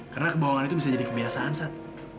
karena kebohongan itu bisa jadi kebiasaan sat